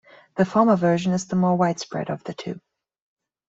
The former version is the more widespread of the two.